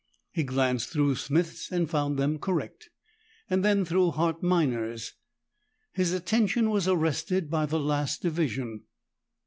He glanced through Smith's and found them correct, and then through Hart Minor's. His attention was arrested by the last division.